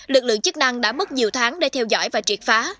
lực lượng chức năng đã mất nhiều tháng để theo dõi và triệt phá